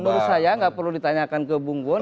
menurut saya enggak perlu ditanyakan ke bung bu